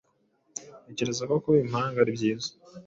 Ntekereza ko kuba impanga ari byiza.